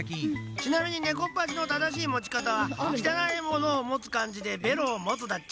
ちなみにネコッパチの正しい持ち方はきたないものを持つかんじでベロを持つだっち。